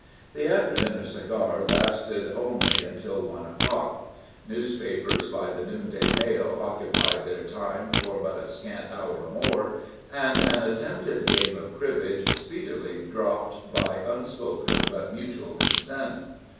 The after dinner cigar lasted only until one o'clock; newspapers by the noon day mail occupied their time for but a scant hour more, and an attempted game of cribbage speedily dropped by unspoken but mutual consent.